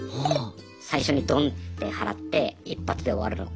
最初にどんって払って一発で終わるのか